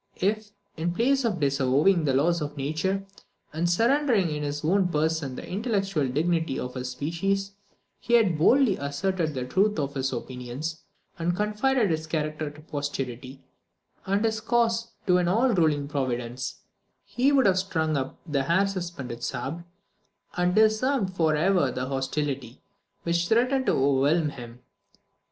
If, in place of disavowing the laws of Nature, and surrendering in his own person the intellectual dignity of his species, he had boldly asserted the truth of his opinions, and confided his character to posterity, and his cause to an all ruling Providence, he would have strung up the hair suspended sabre, and disarmed for ever the hostility which threatened to overwhelm him.